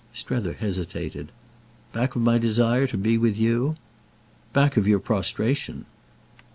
Strether hesitated. "Back of my desire to be with you?" "Back of your prostration."